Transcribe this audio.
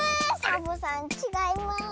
サボさんちがいます。